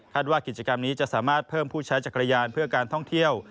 ว่ากิจกรรมนี้จะสามารถเพิ่มผู้ใช้จักรยานเพื่อการท่องเที่ยว